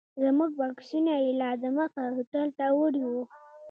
زموږ بکسونه یې لا دمخه هوټل ته وړي وو.